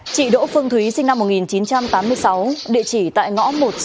chị đỗ phương thúy sinh năm một nghìn chín trăm tám mươi sáu